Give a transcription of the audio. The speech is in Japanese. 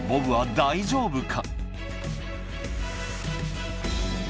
大丈夫か？